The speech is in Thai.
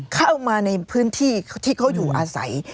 เข้ามาในพื้นที่ที่เขาอยู่อาศัย